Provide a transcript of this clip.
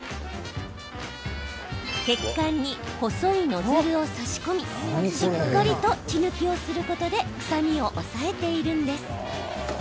そこで血管に細いノズルを差し込みしっかりと血抜きをすることで臭みを抑えているんです。